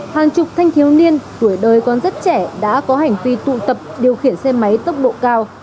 hàng chục thanh thiếu niên tuổi đời còn rất trẻ đã có hành vi tụ tập điều khiển xe máy tốc độ cao